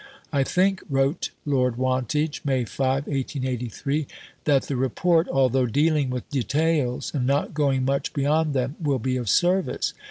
"I think," wrote Lord Wantage (May 5, 1883), "that the Report, although dealing with details, and not going much beyond them, will be of service.